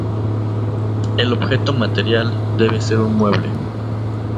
El objeto material debe ser un mueble.